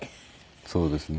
そうですね。